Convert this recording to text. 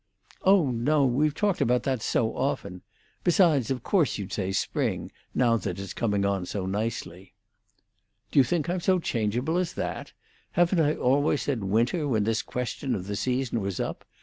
"Oh no; we've talked about that so often. Besides, of course you'd say spring, now that it's coming on so nicely." "Do you think I'm so changeable as that? Haven't I always said winter when this question of the seasons was up?